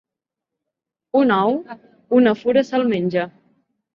Un ou, una fura se'l menja.